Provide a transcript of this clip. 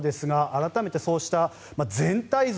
改めて、そうした全体像